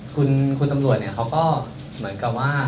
คุณตำรวจเนี่ยเขาก็เหมือนกับว่า